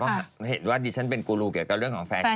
เห็นว่าดิฉันเป็นกูรูเกี่ยวกับเรื่องของแฟนเขา